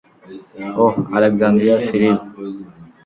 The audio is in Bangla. ওহ, আলেকজান্দ্রিয়ার সিরিল!